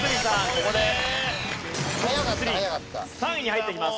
ここでトップ３３位に入ってきます。